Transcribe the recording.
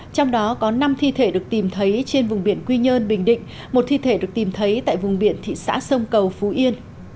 trong đó có năm thi thể được tìm thấy trên vùng biển quy nhơn bình định một thi thể được tìm thấy tại vùng biển thị xã sông cầu phú yên